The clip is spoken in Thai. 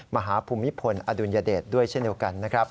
มหาภูมิพลอดุลยเดชด้วยเช่นเดียวกัน